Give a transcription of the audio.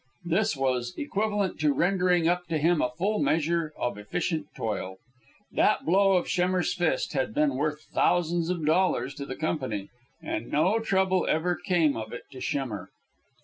This was equivalent to rendering up to him a full measure of efficient toil. That blow of Schemmer's fist had been worth thousands of dollars to the Company, and no trouble ever came of it to Schemmer.